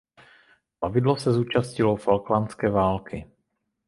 Plavidlo se účastnilo falklandské války.